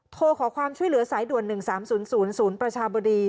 โทรขอความช่วยเหลือสายด่วน๑๓๐๐ศูนย์ประชาบดี